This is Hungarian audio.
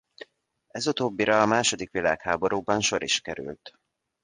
Ez utóbbira a második világháborúban sor is került.